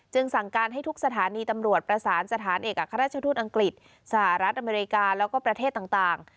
สั่งการให้ทุกสถานีตำรวจประสานสถานเอกอัครราชทูตอังกฤษสหรัฐอเมริกาแล้วก็ประเทศต่าง